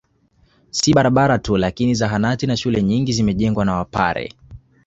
Si barabara tu lakini zahanati na shule nyingi zimejengwa na wapare